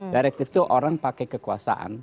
direktif itu orang pakai kekuasaan